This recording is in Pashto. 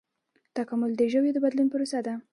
تکامل د ژویو د بدلون پروسه ده